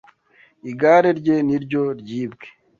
Igare rye niryo ryibwe.